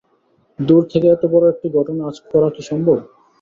দূর থেকে এত বড় একটি ঘটনা আঁচ করা কি সম্ভব?